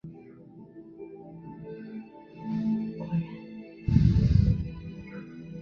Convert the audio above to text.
霍赫莱滕是奥地利下奥地利州米斯特尔巴赫县的一个市镇。